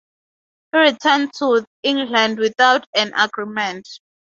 He returned to England without an agreement.